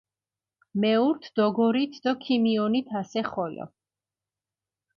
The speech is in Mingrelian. მეურთ, დოგორით დო ქიმიონით ასე ხოლო.